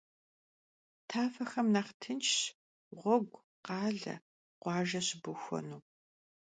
Tafexem nexh tınşşş ğuegu, khale, khuajje şıbuxuenu.